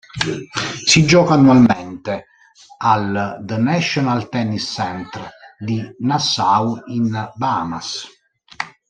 Si gioca annualmente al the National Tennis Centre di Nassau in Bahamas.